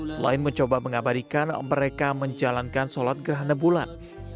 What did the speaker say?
selain mencoba mengabadikan mereka menjalankan sholat gerhana bulan